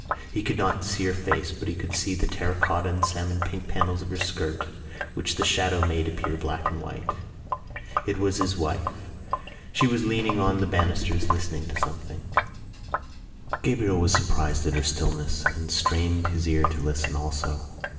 He could not see her face but he could see the terracotta and salmon pink panels of her skirt which the shadow made appear black and white. It was his wife. She was leaning on the banisters, listening to something. Gabriel was surprised at her stillness and strained his ear to listen also.